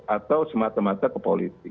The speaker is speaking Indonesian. atau semata mata ke politik